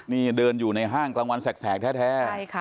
นี่เดินอยู่ในห้างกลางวันแสกแท้